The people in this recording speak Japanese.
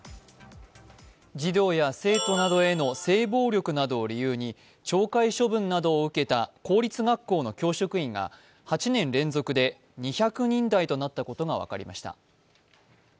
児童や生徒などへの性暴力などを理由に懲戒処分などを受けた公立学校の教職員が８年連続で２００人台となったことが分かりました。